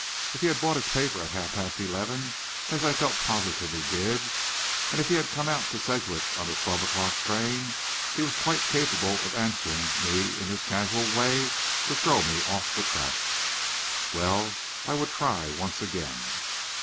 If he had bought his paper at half past eleven, as I felt positive he did, and if he had come out to Sedgwick on the twelve o'clock train, he was quite capable of answering me in this casual way, to throw me off the track. Well, I would try once again.